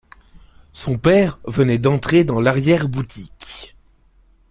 Son père venait d’entrer dans l’arrière-boutique.